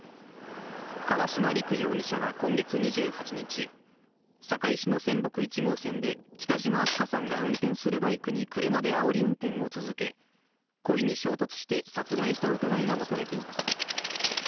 川島陸容疑者は今月２８日、堺市のせんぼく１号線で北島明日翔さんが運転するバイクに車であおり運転を続け、故意に衝突して殺害した疑いが持たれています。